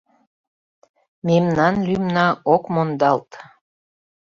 Мемнан лӱмна ок мондалт